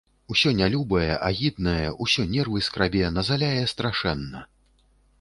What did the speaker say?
Усё нялюбае, агіднае, усё нервы скрабе, назаляе страшэнна.